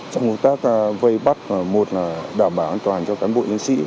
trong công tác vây bắt một là đảm bảo an toàn cho cán bộ nhân sĩ